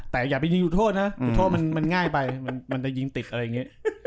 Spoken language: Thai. แต่อย่าไปยิงจุดโทษนะจุดโทษมันง่ายไปมันจะยิงติดอะไรอย่างนี้